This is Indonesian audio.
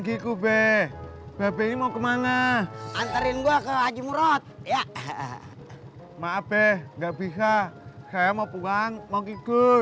gitu beb ini mau kemana anterin gua ke haji murad ya maaf deh nggak bisa saya mau pulang mau tidur